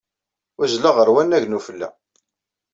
Uzzleɣ ɣer wannag n ufella.